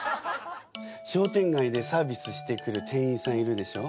商店街でサービスしてくる店員さんいるでしょ？